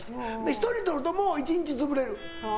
１人と撮るともう１日潰れる。